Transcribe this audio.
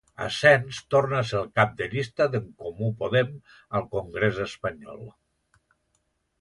Asens torna a ser el cap de llista d'En Comú Podem al congrés espanyol.